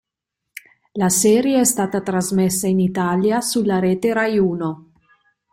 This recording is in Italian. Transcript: La serie è stata trasmessa in Italia sulla rete Raiuno.